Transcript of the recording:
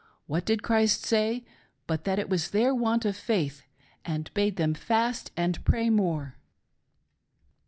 What did Christ say, but that it was their want of faith, and bade them fast and pray more